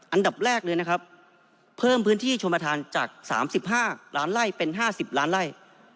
อันดับแรกเลยนะครับเพิ่มพื้นที่ชมประธานจาก๓๕ล้านไล่เป็น๕๐ล้านไล่